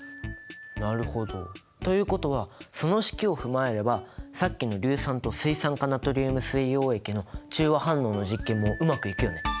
なるほど。ということはその式を踏まえればさっきの硫酸と水酸化ナトリウム水溶液の中和反応の実験もうまくいくよね。